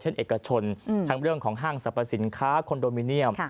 เอกชนทั้งเรื่องของห้างสรรพสินค้าคอนโดมิเนียม